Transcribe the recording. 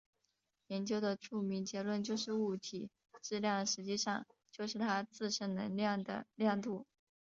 研究的著名结论就是物体质量实际上就是它自身能量的量度。